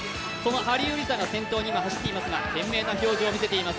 ハリウリサが先頭に走っていますが、懸命な表情を見せています。